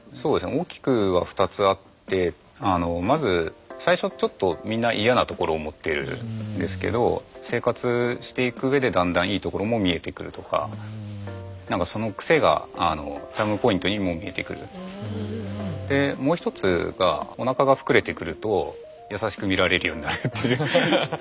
大きくは２つあってあのまず最初ちょっとみんな嫌なところを持ってるんですけど生活していくうえでだんだんいいところも見えてくるとか何かそのでもう一つがおなかが膨れてくると優しく見られるようになるっていう。